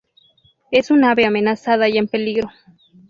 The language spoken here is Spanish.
Es un ave amenazada y en peligro.